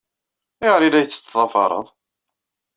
Ayɣer ay la iyi-tettḍafareḍ?